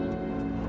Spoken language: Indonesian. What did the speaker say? itu itu itu